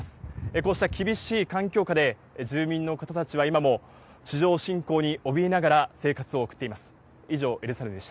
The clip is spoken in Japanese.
こうした厳しい環境下で、住民の方たちは今も地上侵攻におびえながら、生活を送っています。